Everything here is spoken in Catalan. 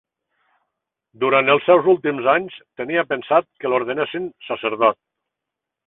Durant els seus últims anys, tenia pensat que l'ordenessin sacerdot.